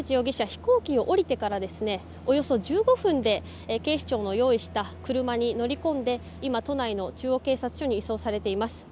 飛行機を降りてからおよそ１５分で警視庁の用意した車に乗り込んで今、都内の中央警察署に移送されています。